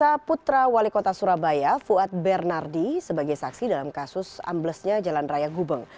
putra wali kota surabaya fuad bernardi sebagai saksi dalam kasus amblesnya jalan raya gubeng